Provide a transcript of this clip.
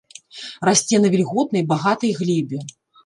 Расце на вільготнай, багатай глебе.